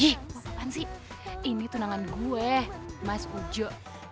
ih masakan sih ini tunangan gue mas ujo